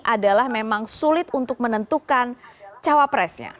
adalah memang sulit untuk menentukan cawapresnya